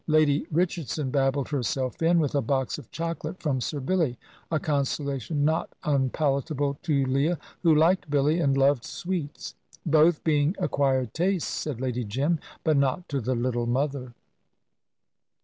Lady Richardson babbled herself in, with a box of chocolate from Sir Billy a consolation not unpalatable to Leah, who liked Billy and loved sweets. "Both being acquired tastes," said Lady Jim, but not to the little mother.